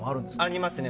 ありますね。